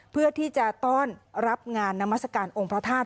เพื่อที่จะต้อนรับงานนามัศกาลองค์พระธาตุ